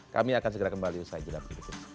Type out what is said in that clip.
kami akan segera kembali usai jadinya